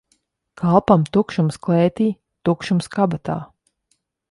Kalpam tukšums klētī, tukšums kabatā.